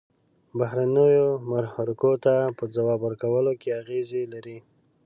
بهرنیو محرکو ته په ځواب ورکولو کې اغیزې لري.